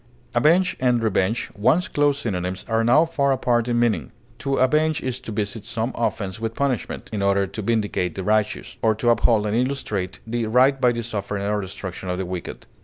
Avenge and revenge, once close synonyms, are now far apart in meaning. To avenge is to visit some offense with punishment, in order to vindicate the righteous, or to uphold and illustrate the right by the suffering or destruction of the wicked.